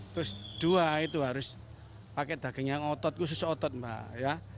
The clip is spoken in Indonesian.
terus dua itu harus pakai daging yang otot khusus otot mbak ya